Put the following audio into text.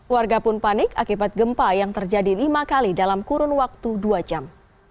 warga pun panik akibat gempa yang terjadi lima kali dalam kurun waktu dua jam